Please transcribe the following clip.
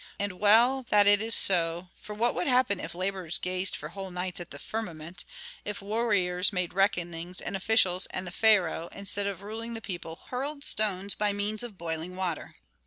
And well that it is so, for what would happen if laborers gazed for whole nights at the firmament, if warriors made reckonings, and officials and the pharaoh, instead of ruling the people, hurled stones by means of boiling water?